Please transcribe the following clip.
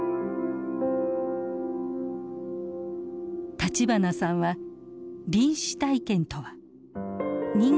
立花さんは臨死体験とは人間